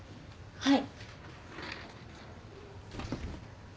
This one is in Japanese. はい？